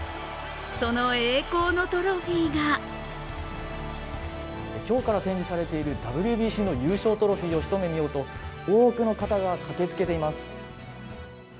その栄光のトロフィーが今日から展示されているＷＢＣの優勝トロフィーを一目見ようと多くの方が駆けつけています。